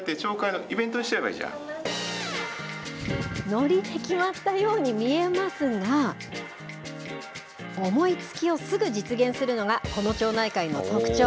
乗りで決まったように見えますが、思いつきをすぐ実現するのが、この町内会の特徴。